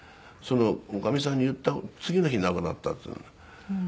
おかみさんに言った次の日に亡くなったっていうんで。